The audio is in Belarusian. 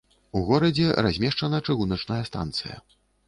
У горадзе размешчана чыгуначная станцыя.